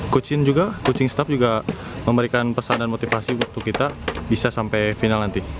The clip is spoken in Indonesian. coach in juga coaching staff juga memberikan pesan dan motivasi waktu kita bisa sampai final nanti